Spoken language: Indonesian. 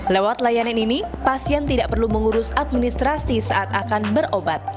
lewat layanan ini pasien tidak perlu mengurus administrasi saat akan berobat